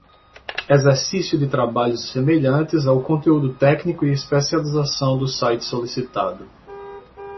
Exercício de trabalhos semelhantes ao conteúdo técnico e especialização do site solicitado.